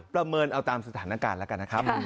ประเมินเอาตามสถานการณ์แล้วกันนะครับ